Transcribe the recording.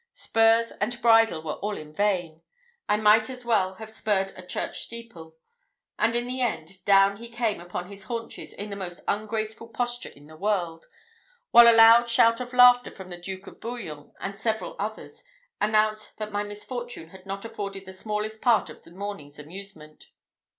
Spurs and bridle were all in vain; I might as well have spurred a church steeple; and, in the end, down he came upon his haunches in the most ungraceful posture in the world, while a loud shout of laughter from the Duke of Bouillon and several others, announced that my misfortune had not afforded the smallest part of the morning's amusement.